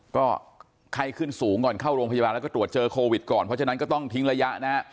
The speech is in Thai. ก็ไข้ขึ้นสูงก่อนเข้าโรงพยาบาลแล้วก็ตรวจเจอโควิดก่อนเพราะฉะนั้นก็ต้องทิ้งระยะนะฮะ